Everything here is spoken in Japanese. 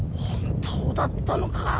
本当だったのか。